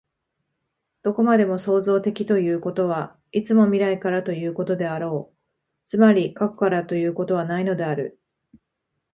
どこまでも創造的ということは、いつも未来からということであろう、つまり過去からということはないのである。